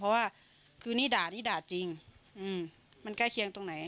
เพราะว่าคือนี่ด่านี่ด่าจริงมันใกล้เคียงตรงไหน